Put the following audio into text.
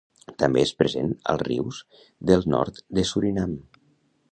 També és present als rius del nord de Surinam.